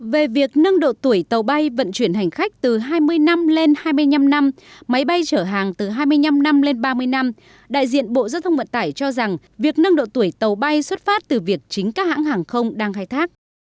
về việc nâng độ tuổi tàu bay vận chuyển hành khách từ hai mươi năm lên hai mươi năm năm máy bay chở hàng từ hai mươi năm năm lên ba mươi năm đại diện bộ giao thông vận tải cho rằng việc nâng độ tuổi tàu bay xuất phát từ việc chính các hãng hàng không đang khai thác